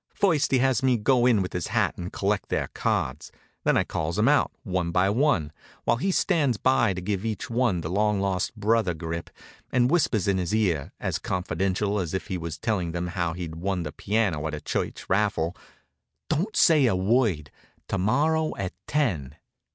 First he has me go in with his hat and collect their cards. Then I calls 'em out, one by one, while he stands by to give each one the long lost brother grip, and whisper in his ear, as confidential as if he was telling him how he'd won the piano at a church raffle: "Don't say a word; to morrow at ten."